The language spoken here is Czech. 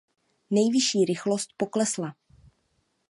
Nejvyšší rychlost poklesla.